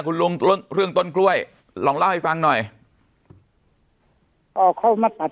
คุณลุงเรื่องเรื่องต้นกล้วยลองเล่าให้ฟังหน่อยอ๋อเขามาตัด